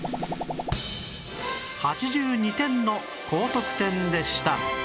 ８２点の高得点でした